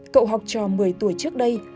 cậu học trò một mươi tuổi trước đây